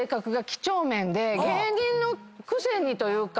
芸人のくせにというか。